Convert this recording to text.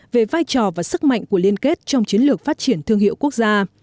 về vai trò và sức mạnh của liên kết trong chiến lược phát triển thương hiệu quốc gia